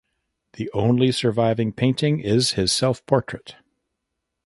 The only surviving painting is his self portrait.